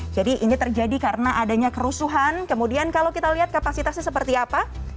jadi ini terjadi karena adanya kerusuhan kemudian kalau kita lihat kapasitasnya seperti apa